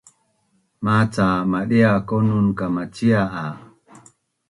Maca madia konun kamacia a